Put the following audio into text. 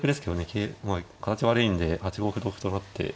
桂まあ形悪いんで８五歩同歩となって。